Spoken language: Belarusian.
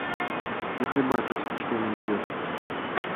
Няхай бачаць, што ў мяне ёсць.